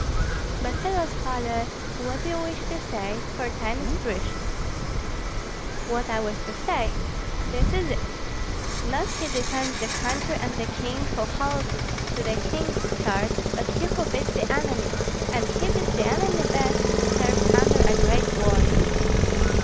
"But tell us, Father, what you wish to say, for time is precious." "What I wish to say? This is it: not he defends the country and the king who holds to the king's skirts, but he who beats the enemy; and he beats the enemy best who serves under a great warrior.